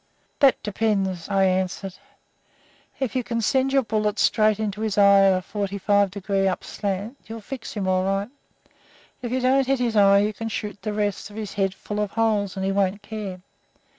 "'That depends,' I answered. 'If you can send your bullets straight into his eye at a forty five degree up slant, you'll fix him all right. But if you don't hit his eye you can shoot the rest of his head full of holes, and he won't care.